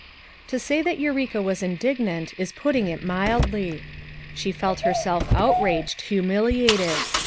To say that Eureka was indignant is putting it inildly. She felt herself outraged, humili ated.